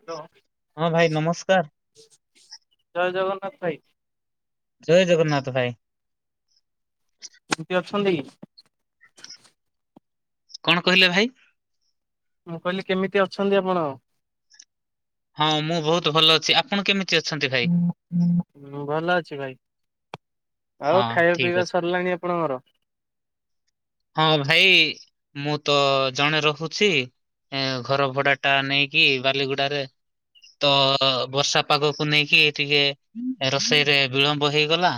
Hello ହଁ ଭାଇ ନମସ୍କାର ଜୟ ଜଗନ୍ନାଥ ଭାଇ। ଜୟ ଜଗନ୍ନାଥ ଭାଇ। କେମିତି ଅଛନ୍ତି? କଣ କହିଲେ ଭାଇ? ମୁଁ କହିଲି କେମିତି ଅଛନ୍ତି ଆପଣ? ହଁ ମୁଁ ବହୁତ ଭଲ ଅଛି। ଆପଣ କେମିତି ଅଛନ୍ତି ଭାଇ? ମୁଁ ଭଲ ଅଛି ଭାଇ। ହଁ ଆଉ ଖାଇବା ଠିକ ପିଇବା ଅଛି। ସରିଲାଣି ଆପଣଙ୍କର? ହଁ ଭାଇ ମୁଁ ତ ଜଣେ ରହୁଛି। ଏ ଘର ଭଡା ଟା ନେଇକି ବାଲିଗୁଡାରେ ତ ବର୍ଷା ପାଗକୁ ନେଇକି ଟିକେ ରୋଷେଇରେ ବିଳମ୍ବ ହେଇଗଲା।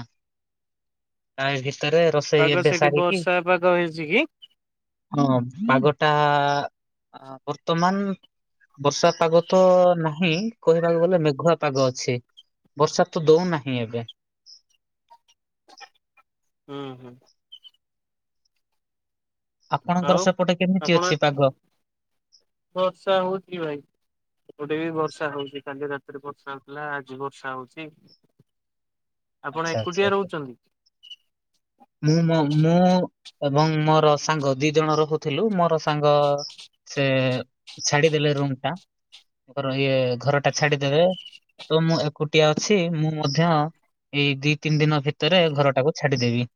ଆଉଭି ଭିତରେ ରୋଷେଇ ପାଗ ଏବେ ସେଠି ସାରିକି ବର୍ଷା ପାଗ ହେଇଛି କି? ହଁ ପାଗଟା ଆ ବର୍ତ୍ତମାନ ବର୍ଷା ପାଗ ତ ନାହିଁ କହିବାକୁ ଗଲେ ମେଘୁଆ ପାଗ ଅଛି। ବର୍ଷା ତ ଦଉନାହିଁ ଏବେ। ହୁଁ ହୁଁ। ଆପଣଙ୍କର ଆଉ ସେପଟେ କେମିତି ଆପଣ ଅଛି ପାଗ? ବର୍ଷା ହଉଛି ଭାଇ? ଏପଟେ ବି ବର୍ଷା ହଉଛି। କାଲି ରାତିରେ ବର୍ଷା ହଉଥିଲା ଆଜି ବର୍ଷା ହଉଛି। ଆପଣ ଆଚ୍ଛା ଆଚ୍ଛା ଏକୁଟିଆ ଆଚ୍ଛା ରହୁଛନ୍ତି? ମୁଁ ମୋ ମୁଁ ଏବଂ ମୋର ସାଙ୍ଗ ଦି ଜଣ ରହୁଥିଲୁ। ମୋର ସାଙ୍ଗ ସେ ଛାଡିଦେଲେ ରୁମ ଟା ଆଙ୍କର ଇଏ ଘର ଟା ଛାଡିଦେବେ ତ ମୁଁ ଏକୁଟିଆ ଅଛି ମୁଁ ମଧ୍ୟ ଏଇ ଦି ତିନି ଦିନ ଭିତରେ ଘରଟାକୁ ଛାଡିଦେବି।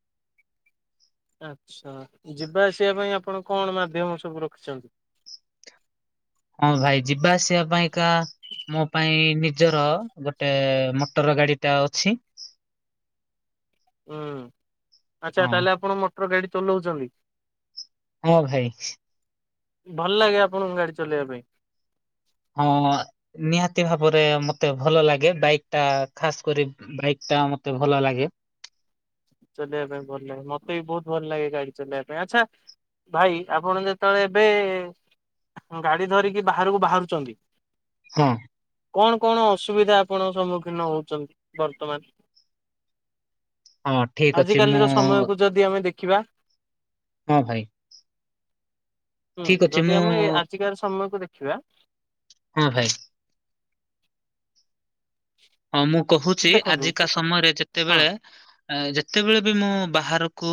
ଆଛା। ଯିବା ଆସିବା ପାଇଁ ଆପଣ କଣ ମାଧ୍ୟମ ସବୁ ରଖିଛନ୍ତି? ହଁ ଭାଇ ଯିବା ଆସିବା ପାଇଁକା ମୋ ପାଇଁ ନିଜର ଗୋଟେ ମଟର ଗାଡି ଟା ଅଛି ହୁଁ ଆଚ୍ଛା ହଁ ତାହେଲେ ଆପଣ ମଟର ଗାଡି ଚଲଉଛନ୍ତି? ହଁ ଭାଇ ଭଲ ଲାଗେ ଆପଣଙ୍କୁ ଗାଡି ଚଲେଇବା ପାଇଁ? ହଁ ନିହାତି ଭାବରେ ମତେ ଭଲ ଲାଗେ ବାଇକ୍ ଟା ଖାସ୍ କରି ବାଇକ୍ ଟା ମତେ ଭଲ ଲାଗେ ଚଲେଇବା ପାଇଁ ଭଲ ଲାଗେ। ମତେ ବି ବହୁତ ଭଲ ଲାଗେ ଗାଡି ଚଲେଇବା ପାଇଁ ଆଚ୍ଛା ଭାଇ ଆପଣ ଯେତେବେଳେ ଏବେ ଗାଡି ଧରିକି ବାହାରକୁ ବାହାରୁଛନ୍ତି ହଁ। କଣ କଣ ଅସୁବିଧା ଆପଣଙ୍ ସମ୍ମୁଖୀନ ହଉଛନ୍ତି ବର୍ତ୍ତମାନ? ହଁ ଠିକ୍ ଅଛି ମୁଁ ଆଜିକାଲିର ସମୟକୁ ଯଦି ଆମେ ଦେଖିବା ହଁ ଭାଇ। ହୁଁ ଠିକ୍ ଅଛି ମୁଁ ଯଦି ଆମେ ଆଜିକାର ସମୟକୁ ଦେଖିବା ହଁ ଭାଇ। ହଁ ମୁଁ କହୁଛି ଦେଖନ୍ତୁ ଆଜିକା ସମୟରେ ହଁ ଯେତେବେଳେ ଯେତେବେଳେ ବି ମୁଁ ବାହାର କୁ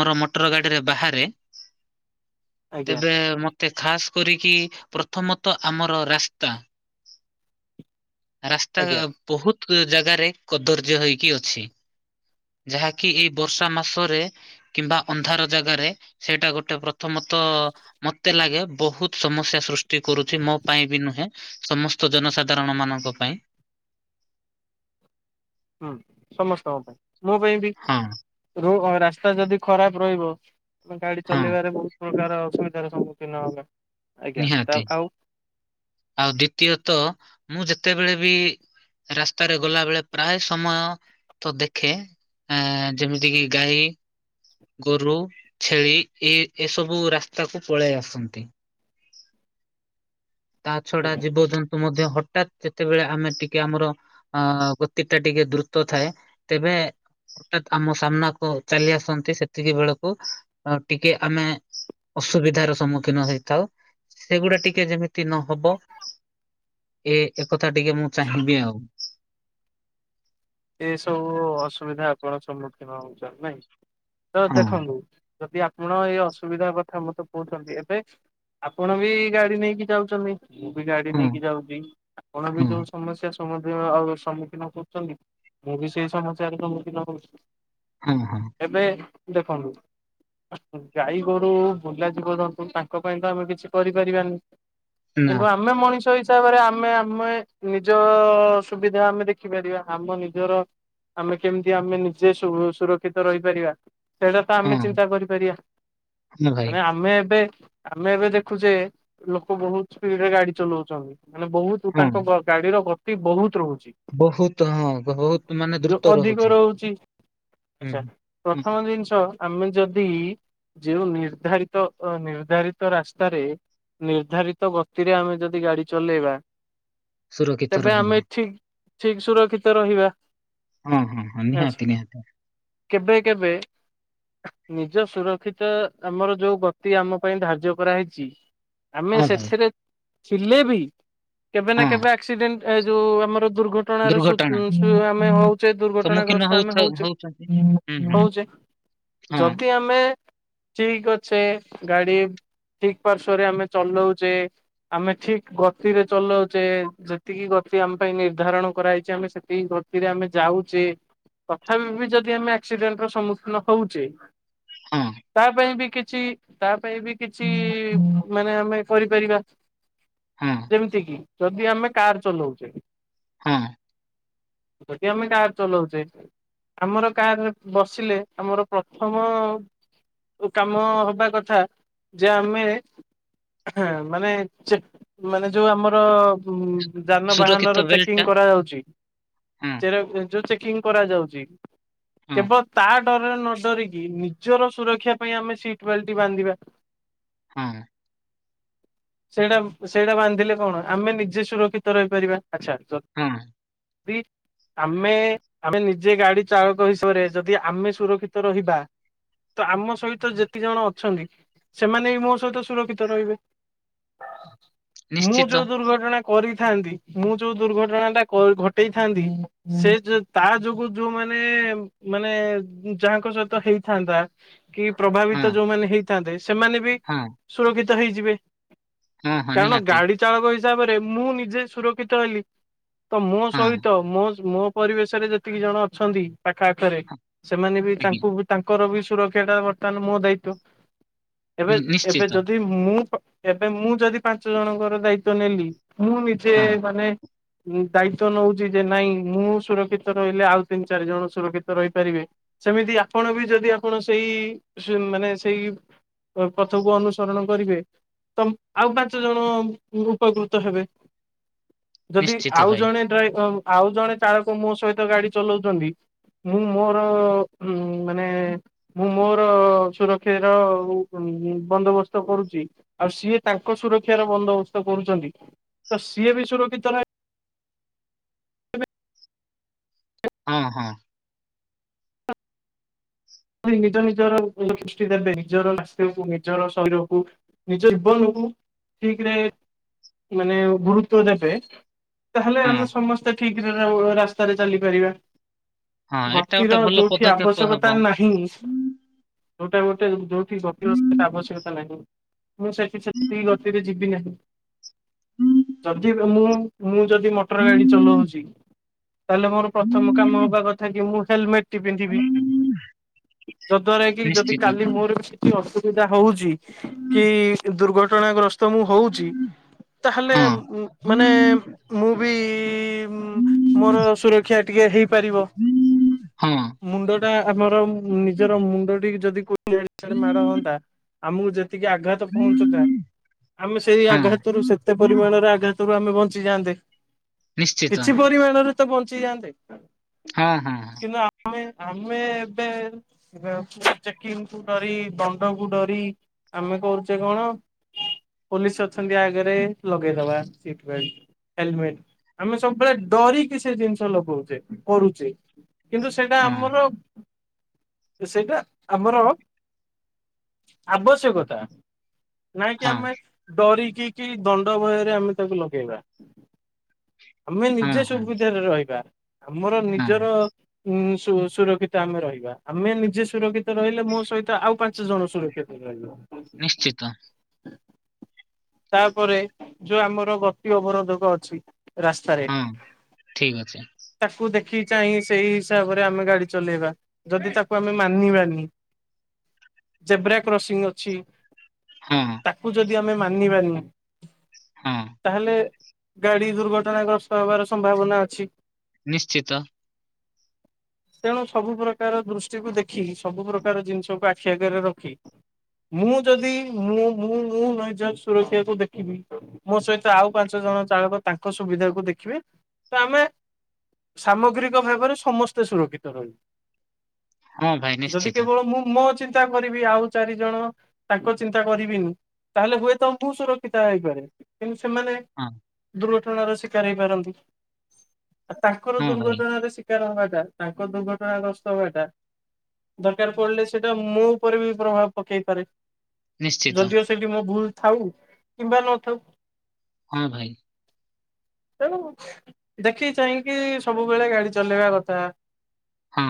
ମୋର ମଟର ଗାଡିରେ ବାହାରେ ଆଜ୍ଞା ତେବେ ମତେ ଖାସ୍ କରିକି ପ୍ରଥମତଃ ଆମର ରାସ୍ତା ରାସ୍ତା ଆଜ୍ଞା ବହୁତ ଜାଗାରେ କଦର୍ଯ୍ୟ ହେଇକି ଅଛି। ଯାହାକି ଏଇ ବର୍ଷା ମାସରେ କିମ୍ବା ଅନ୍ଧାର ଜାଗାରେ ସେଇଟା ଗୋଟେ ପ୍ରଥମତ ତ ମତେ ଲାଗେ ବହୁତ ସମସ୍ୟା ସୃଷ୍ଟି କରୁଛି ମୋ ପାଇଁ ବି ନୁହେଁ ସମସ୍ତ ଜନସାଧାରଣ ମାନଙ୍କ ପାଇଁ ହୁଁ ସମସ୍ତଙ୍କ ପାଇଁ ମୋ ପାଇଁ ବି ହଁ ରାସ୍ତା ଯଦି ଖରାପ ରହିବ ଆ ଗାଡି ହଁ ଚଲେଇବାରେ ବହୁତ ପ୍ରକାର ଅସୁବିଧାର ସମ୍ମୁଖୀନ ହବା। ଆଜ୍ଞା ତା ନିହାତି ଆଉ ଆଉ ଦ୍ଵିତୀୟତ ମୁଁ ଯେତେବେଳେ ବି ରାସ୍ତାରେ ଗଲା ବେଳେ ପ୍ରାୟ ସମୟ ତ ଦେଖେ। ଆଁ ଯେମିତି କିି ଗାଈ, ଗୋରୁ, ଛେଳି ଏ ଏ ସବୁ ରାସ୍ତାକୁ ପଳେଇ ଆସନ୍ତି। ତା ଛଡା ଆଜ୍ଞା ଜୀବଜନ୍ତୁ ମଧ୍ୟ ହଠାତ୍ ଯେତେବେଳେ ଆମେ ଟିକେ ଆମର ଅ ଗତି ଟା ଟିକେ ଦ୍ରୁତ ଥାଏ ତେବେ ହଠାତ୍ ଆମ ସାମ୍ନାକୁ ଚାଲି ଆସନ୍ତି ସେତିକି ବେଳକୁ ଟିକେ ଆମେ ଅସୁବିଧାର ସମ୍ମୁଖୀନ ହେଇଥାଉ ସେଗୁଡା ଟିକେ ଯେମିତି ନହବ ଏ ଏକଥା ଟିକେ ମୁଁ ଚାହିଁବି ଆଉ। ଏସବୁ ଅସୁବିଧା ଆପଣ ସମ୍ମୁଖୀନ ହଉଛନ୍ତି ନାଇଁ ତ ହଁ ଦେଖନ୍ତୁ ଯଦି ଆପଣ ଏଇ ଅସୁବିଧା କଥା ମତେ କହୁଛନ୍ତି ଏବେ ଆପଣ ବି ଗାଡି ନେଇକି ଯାଉଛନ୍ତି। ମୁଁ ବି ଗାଡି ହଁ ନେଇକି ଯାଉଛି ଆପଣ ହଁ ବି ଯୋଉ ସମସ୍ୟା ସମ୍ମୁଖୀନ କରୁଛନ୍ତି। ମୁଁ ବି ସେଇ ସମସ୍ୟାର ସମ୍ମୁଖୀନ ହଉଛି ହଁ ହଁ ଏବେ ଦେଖନ୍ତୁ। ଗାଈଗୋରୁ ବୁଲା ଜୀବଜନ୍ତୁ ତାଙ୍କ ପାଇଁ ତ ଆମେ କିଛି କରିପାରିବାନି। ନା କିନ୍ତୁ ଆମେ ମଣିଷ ହେଇ ହିସାବରେ ଆମେ ଆମେ ନିଜ ସୁବିଧା ଆମେ ଦେଖିପାରିବା। ଆମ ନିଜର ଆମେ କେମିତି ଆମେ ନିଜେ ସୁ ସୁରକ୍ଷିତ ରହିପାରିବା? ସେଇଟା ତ ଆମେ ହଁ ଚିନ୍ତା କରିପାରିବା ହଁ ଭାଇ ମାନେ ଆମେ ଏବେ ଆମେ ଏବେ ଦେଖୁଛେ ଲୋକ ବହୁତ ସ୍ପିଡରେ ଗାଡି ଚଲଉଛନ୍ତି। ମାନେ ବହୁତ ହଁ। ତାଙ୍କ ଗାଡିର ଗତି ବହୁତ ରହୁ ବହୁତ ହଁ ବହୁତ ମାନେ ଯଉ ଦ୍ରୁତ ଅଧିକ ରହୁଛି ହୁଁ। ଆଚ୍ଛା ହଁ ପ୍ରଥମ ଜିନିଷ ଆମେ ଯଦି ଯୋଉ ନିର୍ଦ୍ଧାରିତ ନିର୍ଦ୍ଧାରିତ ରାସ୍ତାରେ ନିର୍ଦ୍ଧାରିତ ଗତିରେ ଆମେ ଯଦି ଗାଡି ଚଲେଇବା ସୁରକ୍ଷିତ ତେବେ ଆମେ ରହିବା। ଠିକ ଠିକ ସୁରକ୍ଷିତ ରହିବା। ହଁ ହଁ ହଁ ଆଛା ନିହାତି ନିହାତି। କେବେ କେବେ ନିଜ ସୁରକ୍ଷିତ ଆମର ଯୋଉ ଗତି ଆମ ପାଇଁ ଧାର୍ଯ୍ୟ କରାହେଇଛି ଆମେ ହଁ ଭାଇ ସେଥିରେ ଥିଲେ ବି କେବେ ନା ହଁ। କେବେ ଆକ୍ସିଡେଣ୍ଟଏ ଯୋଉ ଆମର ଦୁର୍ଘଟଣାର ଦୁର୍ଘଟଣା ହଁ ଆମେ ହଉଛେ ଦୁର୍ଘଟଣା ସମ୍ମୁଖୀନ ଗ୍ରସ୍ତ ଆମେ ହଉଥା ହଉଛେ ହଉଛନ୍ତି। ହୁଁ ହୁଁ ହଉଛେ। ହଁ ଯଦି ଆମେ ଠିକ ଅଛେ ଗାଡି ଠିକ ପାର୍ଶ୍ଵରେ ଆମେ ଚଲଉଛେ ଆମେ ଠିକ ଗତିରେ ଚଲଉଛେ ଯେତିକି ଗତି ଆମ ପାଇଁ ନିର୍ଦ୍ଧାରଣ କରାଯାଇଛି ଆମେ ସେଥି ଗ ଗତିରେ ଆମେ ଯାଉଛେ ତଥାପି ବି ଯଦି ଆମେ ଆକ୍ସିଡେଣ୍ଟ ର ସମ୍ମୁଖୀନ ହଉଛେ ହଁ ତା ପାଇଁ ବି କି ଛି ତା ପାଇଁ ବି କିଛି ମାନେ ଆମେ କରିପାରିବା। ହଁ ଯେମିତି କିି ଯଦି ଆମେ କାର ଚଲଉଛେ ହଁ। ଯଦି ଆମେ କାର ଚଲଉଛେ ଆମର କାର ବସିଲେ ଆମର ପ୍ରଥମ କାମ ହବା କଥା ଯେ ଆମେ ହଁ ମାନେ ମାନେ ଯୋଉ ଆମର ଯାନବାହାନ ସୁରକ୍ଷିତ ର ବେଲ୍ଟ ଚେକିଂ ଟା କରାଯାଉଛି ହଁ ଯୋଉ ଚେକିଂ କରାଯାଉଛି ହଁ କେବଳ ତା ନ ଡରିକି ନିଜର ସୁରକ୍ଷା ପାଇଁ ଆମେ ସିଟ ବେଲଟ ବାନ୍ଧିବା ହଁ ସେଇଟା ସେଇଟା ବାନ୍ଧିଲେ କଣ ଆମେ ନିଜେ ସୁରକ୍ଷିତ ରହିପାରିବା ଆଚ୍ଛା ହଁ ବି ଆମେ ଆମେ ନିଜେ ଗାଡି ଚାଳକ ହିସାବରେ ଯଦି ଆମେ ସୁରକ୍ଷିତ ରହିବା ତ ଆମ ସହିତ ଯେତିେ ଜଣ ଅଛନ୍ତି ସେମାନେ ବି ମୋ ସହିତ ସୁରକ୍ଷିତ ରହିବେ ମୁଁ ନିଶ୍ଚିତ ଯୋଉ ଦୁର୍ଘଟଣା କରିଥାନ୍ତି ମୁଁ ଯୋଉ ଦୁର୍ଘଟଣା ଟା ଘଟେଇଥାନ୍ତି ସେ ତା ଯୋଗୁ ଯୋଉମାନୋନ ମାନେ ଯାହାଙ୍କ ସହିତ ହେଇଥାନ୍ତା କି ହଁ ପ୍ରଭାବିତ ଯୋଉମାନେ ହେଇଥାନ୍ତେ ସେମାନେ ବି ହଁ ସୁରକ୍ଷିତ ହେଇଯିବେ ହଁ ହଁ କାରଣ ନିହାତି ଗାଡି ଚାଳକ ହିସାବରେ ମୁଁ ନିଜେ ସୁରକ୍ଷିତ ହେଲି ତ ମୋ ହଁ ସହିତ ମୋ ମୋ ପରିବେଶରେ ଯେତିକି ଜଣ ଅଛନ୍ତି ପାଖ ପାଖରେ ହଁ ସେମାନେ ବି ଆଜ୍ଞା ତାଙ୍କୁ ତାଙ୍କର ବି ସୁରକ୍ଷା ଟା ବର୍ତ୍ତମାନ ମୋ ଦାୟିତଵ ଏବେ ନି ଏବେ ନିଶ୍ଚିତ ଯଦି ମୁଁ ଏବେ ମୁଁ ଯଦି ପାଞ୍ଚ ଜଣଙ୍କର ଦାୟିତ୍ଵ ନେଲି ମୁଁ ନିଜେ ହଁ ମାନେ ଦାୟିତଵ ନଉଛି ଯେ ନାଇଁ ମୁଁ ସୁରକ୍ଷିତ ରହିଲେ ଆଉ ତିନି ଚାରି ଜଣ ସୁରକ୍ଷିତ ରହିପାରିବେ ସେମିତି ଆପଣ ବି ଯଦି ଆପଣ ସେଇ ମାନେ ସେଇ ପଥକୁ ଅନୁସରଣ କରିବେ ତମ ଆଉ ପାଞ୍ଚ ଜଣ ଉପକୃତ ହେବେ ଯଦି ନିଶ୍ଚିତ ଆଉ ଭାଇ ଜଣେ ଡ୍ରାଇ ଆଉ ଜଣେ ଚାଳକ ମୋ ସହିତ ଗାଡି ଚଲାଉଛନ୍ତି ମୁଁ ମୋର ମାନେ ମୁଁ ମୋର ସୁରକ୍ଷ ର ବନ୍ଦୋବସ୍ତ କରୁଛି ଆଉ ସିଏ ତାଙ୍କ ସୁରକ୍ଷାର ବନ୍ଦୋବସ୍ତ କରୁଛନ୍ତି ତ ସିଏ ବି ଶରୁ କି ତଥିଲା ହଁ ହଁ ନିଜ ନିଜର ଖୃଷ୍ଟି ଦେବେ ନିଜର ସ୍ୱାସ୍ଥ୍ୟକୁ ନିଜର ଶରୀରକୁ ନିଜ ଜୀବନକୁ ଶଠିକ୍ରେ ମାନେ ଗୁରୁତ୍ୱ ଦେବେ ତାହେଲେ ହଁ ଆମେ ସମସ୍ତେ ଠିକରେ ରାସ୍ତାରେ ଚାଲିପାରିବା ହଁ ଏଟା ଗୋଟେ ଗତିର ଭଲ ଯୋଉଠି ପଦକ୍ଷେପ ହବ ଆବଶ୍ୟକତା ନାହିଁ ଯୋଉଟା ଗୋଟେ ଯୋଉଠି ଗପିବ ସେଟା ଆବଶ୍ୟକତା ନାହିଁ ମୁଁ ସେଠି ସେତିକି ଗତିରେ ଯିବି ନାହିଁ ଯଦି ମୁଁ ମୁଁ ଯଦି ମୋଟର ଗାଡି ଚଲଉଛି ତାହେଲେ ମୋର ପ୍ରଥମ କାମ ହବା କଥା କି ମୁଁ ହେଲମେଟ ଚଟି ପିନ୍ଧିବି ଯଦ୍ଵାରା କି ଯଦି ନିଶ୍ଚିତ କାଲି ମୋର ଅସୁବିଧା ହଉଛି କି ଦୁର୍ଘଟଣାଗ୍ରସ୍ତ ତ ମୁଁ ହଉଛି ତାହେଲେ ହଁ ମାନେ ମୁଁ ବି ମୋର ସୁରକ୍ଷା ଟିକେ ହେଇପାରିବ ହଁ ମୁଣ୍ଡ ଟା ଆମର ନିଜର ମୁଣ୍ଡ ଟ ଯଦିଡ ମାଡ ହୁଅନ୍ତା ଆମକୁ ଯେ ଟକେ ଆଘାତ ପହଞ୍ଚ ତାା ଆମେ ସେଇ ହଁ ଆଘାତରୁୁ ସେତେ ପରିମାଣର ଆଘାତ ଆମେ ବଞ୍ଚିଯାଆନ୍ତେ ନିଶ୍ଚିତ କିଛି ପରିମାଣରେ ତ ବଞ୍ଚିଯାଆନ୍ତେ ହଁ ହଁ କିନ୍ତୁ ଆମେ ଆମେ ଏବେ ଚେକିଂ କୁ ଡରି ଦଣ୍ଡ କୁ ଡରି ଆମେ କରୁଛେ କଣ ହ ପୋଲିସ ଅଛନ୍ତି ଆଗରେ ଲଗେଇଦବା ସିଟ ବେଲଟ ହେଲମେଟ ଆମେ ସବୁବେଳେ ଡରିକି ସେ ଜିନିଷ ଲଗଉଛେ କରୁଛେ କିନ୍ତୁ ସେଇଟା ହଁ ଆମର ତ ସେଇଟା ଆମର ଆବଶ୍ୟକତା ନାଇଁକି ହଁ ଆମେ ଡରି କି କି ଦଣ୍ଡ ଭୟରେ ଆମେ ତାକୁ ଲଗେଇବା? ଆମେ ହଁ ନିଜେ ହଁ ସୁବିଧାରେ ରହିବା ଆମର ହଁ ନିଜର ଉଁ ସୁ-ସୁରକ୍ଷିତ ଆମେ ରହିବା। ଆମେ ନିଜେ ସୁରକ୍ଷିତ ରହିଲେ ମୋ ସହିତ ଆଉ ପାଞ୍ଚ ଜଣ ସୁରକ୍ଷିତ ରହିବ। ନିଶ୍ଚିତ। ତାପରେ ଯୋଉ ଆମର ଗତି ଅବରୋଧକ ଅଛି। ରାସ୍ତାରେ ହଁ ଠିକ ଅଛି ତାକୁ ଦେଖି ଦେଖି ଚାହିଁ ସେଇ ହିସାବରେ ଆମେ ଗାଡି ଚଲେଇବା। ଯଦି ତାକୁ ଆମେ ମାନିବାନି ଜେବ୍ରା କ୍ରସିଂ ଅଛି। ହଁ ତାକୁ ଯଦି ଆମେ ମାନିବାନି ହଁ ତାହେଲେ ଗାଡି ଦୁର୍ଘଟଣା ଗ୍ରସ୍ତ ହବାର ସମ୍ଭାବନା ଅଛି। ନିଶ୍ଚିତ। ତେଣୁ ସବୁ ପ୍ରକ କାର ଦୃଷ୍ଟିକୁ ଦେଖି ସବୁ ପ୍ରକାର ଜିନିଷକୁ ଆଖି ଆଗରେ ରଖି ମୁଁ ଯଦି ମୁଁ ମୁଁ ମୁଁ ମୋ ନିଜ ସୁରକ୍ଷାକୁ ଦେଖିବି ମୋ ସହିତ ଆଉ ପାଞ୍ଚ ଜଣ ଚାଳକ ତାଙ୍କ ସୁବିଧାକୁ ଦେଖିବେ ତ ଆମେ ସାମଗ୍ରୀକ ଭାବରେ ସମସ୍ତେ ସୁରକ୍ଷିତ ରହିବେ। ହଁ ଭାଇ ଯଦି ନିଶ୍ଚିତ। କେବଳ ମୁଁ ମୋ ଚି ଚିନ୍ତା କରିବି ଆଉ ଚାରି ଜଣ ତାଙ୍କ ଚିନ୍ତା କରିବିନି। ତାହେଲେ ହୁଏତ ମୁଁ ସୁରକ୍ଷିତ ହେଇପାରେ କିନ୍ ସେମାନେ ହଁ, ଦୁର୍ଘଟଣାର ଶିକାର ହେଇପାରନ୍ତି। ଆ ତାଙ୍କର ହଁ ଭାଇ ଦୁର୍ଘଟଣାର ଶିକାର ହବାଟା ତାଙ୍କର ଦୁର୍ଘଟଣା ଗ୍ର ସବ ଏଟା ଦରକାର ପଡିଲେ ସେଇଟା ମୁଁ ଉପରେ ବି ପ୍ରଭାବ ପକେଇ ପାରେ। ନିଶ୍ଚିତ। ଯଦିଓ ସେଠି ମୋ ଭୁଲ ଥାଉ କିମ୍ବା ନଥାଉ। ହଁ ଭାଇ। ତେଣୁ ଦେଖି ଚାହିଁକି ସବୁବେଳେ ଗାଡି ଚଲେଇବା କଥା। ହୁଁ।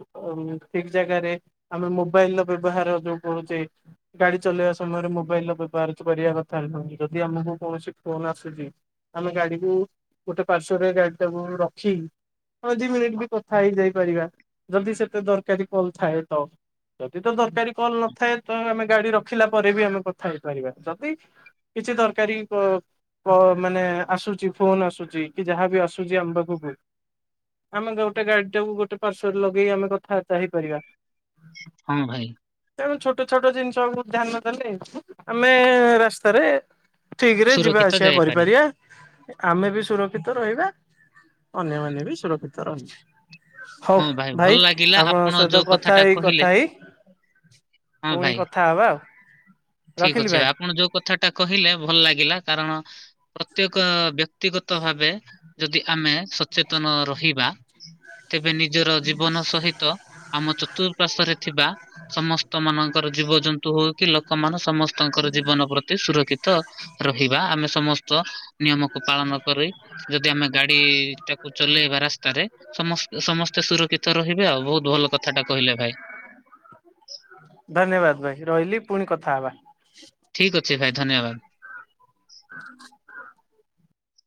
ଉଁ ଠିକ ଜାଗାରେ ଆମେ ମୋବାଇଲ ର ବ୍ୟବହାର ଯୋଉ କରୁଛେ ଗାଡି ଚ ଚଲେଇବା ସମୟରେ ମୋବାଇଲର ବ୍ୟବହାର କିଛି କରିବା କଥା ନୁହଁ ଯଦି ଆମକୁ କୌଣସି ଫୋନ ଆସୁଛି। ଆମେ ଗାଡିକୁ ଗୋଟେ ପାର୍ଶ୍ଵରେ ଗାଡିଟାକୁ ରଖି ଆମେ ଦି ମିନିଟ ବି କଥା ହେଇଯାଇ କରିବା ଯଦି ସେତେ ଦରକାରୀ କଲ ଥାଏ ତ ଯଦି ତ ଦରକାରୀ କଲ ନଥାଏ ତ ଆମେ ଗାଡି ରଖିଲା ପରେ ବି ଆମେ କଥା ହେଇପାରିବା ଯଦି କିଛି ଦରକାରୀ କ ପ ମାନେ ଆସୁଛି ଫୋନ ଆସୁଛି କି ଯାହାବ ଆସୁଛି ଆମ ପାଖକୁ ଆମେ ଗୋଟେ ଗାଡିଟାକୁ ଗୋଟେ ପାର୍ଶ୍ଵରେ ଲଗେଇ ଆମେ କଥାବାର୍ତ୍ତା ହେଇପାରିବା। ହଁ ଭାଇ। ଆମେ ଛୋଟ ଛୋଟ ଜିନିଷକୁ ଧ୍ୟାନ ଦେଲେ ଆମେ ରାସ୍ତାରେ ଠିକରେ ଯିବା ସୁରକ୍ଷିତ ଆସିବା ଯାଇପାରେ। କରିପାରିବା ଆମେ ବି ସୁରକ୍ଷିତ ରହିବା। ଅନ୍ୟମାନେ ବି ସୁରକ୍ଷିତ ରହି ହଉ ହଁ ଭଲ ଭାଇ ଲାଗିଲା ଆପଣ ଆପଣଙ୍କ ସହିତ ଯୋଉ କଥା କଥାଟା ହେଇ କହିଲେ କଥା ହେଇ ପୁଣି କଥା ହବା ଆଉ। ଠିକ ରଖିଲି ଅଛି ଭାଇ ଆପଣ ଯୋଉ କଥାଟା କହିଲେ ଭଲ ଲାଗିଲା। କାରଣ ପ୍ରତ୍ୟେକ ବ୍ୟକ୍ତିଗତ ଭାବେ ଯଦି ଆମେ ସଚେତନ ରହିବା ତେବେ ନି ନିଜର ଜୀବନ ସହିତ ଆମ ଚତୁର୍ପାଶ୍ଵରେ ଥିବା ସମସ୍ତ ମାନଙ୍କର ଜୀବଜନ୍ତୁ ହଉ କି ଲୋକମାନେ ସମସ୍ତଙ୍କର ଜୀବନ ପ୍ରତି ସୁରକ୍ଷିତ ରହିବା ଆମେ ସମସ୍ତ ନିୟମକୁ ପାଳନ କରି ଯଦି ଆମେ ଗାଡିଟାକୁ ଚଲେଇବା ରାସ୍ତାରେ ସମସ୍ତ ସମସ୍ତେ ସୁରକ୍ଷିତ ରହିବେ ଆଉ ବହୁତ ଭଲ କଥାଟା କହିଲେ ଭାଇ। ଧନ୍ୟବାଦ ଭାଇ ରହିଲି ପୁଣି କଥା ହବା। ଠିକ ଅଛି ଭାଇ ଧନ୍ୟବାଦ।